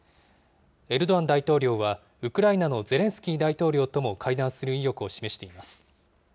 エルドアン大統領はウクライナのゼレンスキー大統領とも会談する意欲を示しています。